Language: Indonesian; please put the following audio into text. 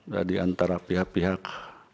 jadi antara pihak pihak